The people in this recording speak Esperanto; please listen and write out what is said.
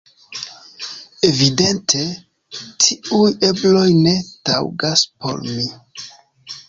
Evidente, tiuj ebloj ne taŭgas por mi.